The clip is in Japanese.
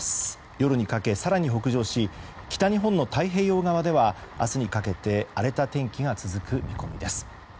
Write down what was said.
夜にかけ更に北上し北日本の太平洋側では明日にかけて荒れた天気が続く見込みです。